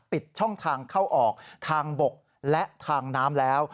ปิดช่องทางเข้าออกทางบกและทางน้ำแล้ว